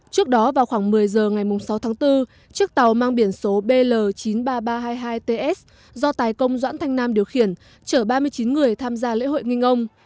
trước đó vào khoảng một mươi giờ ngày sáu tháng bốn chiếc tàu mang biển số bl chín mươi ba nghìn ba trăm hai mươi hai ts do tài công doãn thanh nam điều khiển chở ba mươi chín người tham gia lễ hội kinh ông